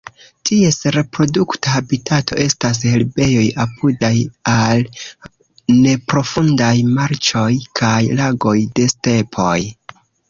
Ties reprodukta habitato estas herbejoj apudaj al neprofundaj marĉoj kaj lagoj de stepoj.